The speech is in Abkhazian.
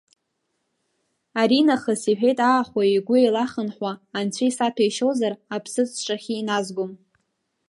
Аринахыс, — иҳәеит аахәаҩ игәы еилахынҳәуа, анцәа исаҭәеишьозар, аԥсыӡ сҿахьы иназгом!